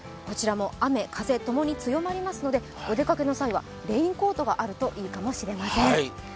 こちらも雨・風共に強まりますのでお出かけの際はレインコートがあるといいかもしれません。